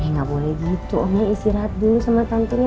eh gak boleh gitu omnya istirahat dulu sama tantenya